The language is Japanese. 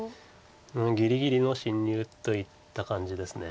ぎりぎりの侵入といった感じです。